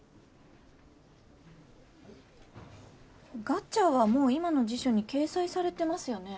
「ガチャ」はもう今の辞書に掲載されてますよね